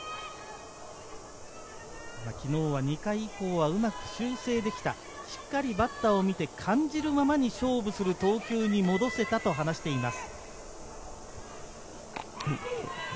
昨日は２回以降はうまく修正できた、しっかりバッターを見て感じるままに勝負する投球に戻せたと話しています。